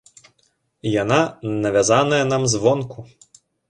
Яна навязаная нам звонку.